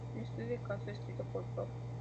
El estudio de caso, escrito por el Prof.